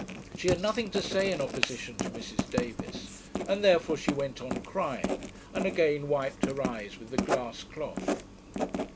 She had nothing to say in opposition to Mrs. Davis, and therefore she went on crying, and again wiped her eyes with the glass cloth.